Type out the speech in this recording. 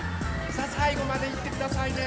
さあさいごまでいってくださいね。